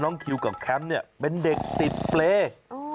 น้องคิวกับแค้มนี่เป็นเด็กติดเปล่า